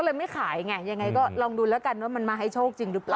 เลยไม่ขายไงยังไงก็ลองดูแล้วกันว่ามันมาให้โชคจริงหรือเปล่า